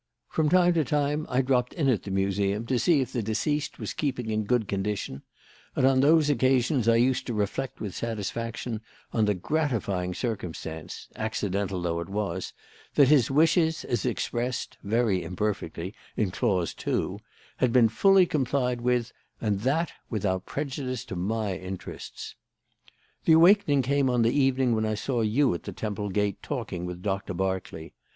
From time to time I dropped in at the museum to see if the deceased was keeping in good condition; and on those occasions I used to reflect with satisfaction on the gratifying circumstance accidental though it was that his wishes, as expressed (very imperfectly) in clause two, had been fully complied with, and that without prejudice to my interests. "The awakening came on that evening when I saw you at the Temple gate talking with Doctor Berkeley.